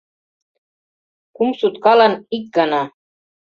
Кум суткалан — ик гана...